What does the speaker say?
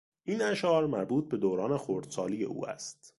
این اشعار مربوط به دوران خردسالی او است.